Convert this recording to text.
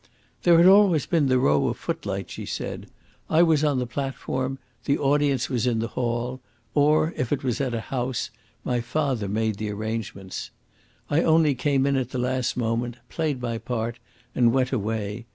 "There had always been the row of footlights," she said. "I was on the platform; the audience was in the hall; or, if it was at a house, my father made the arrangements. I only came in at the last moment, played my part, and went away.